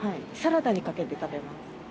サラダにかけて食べます。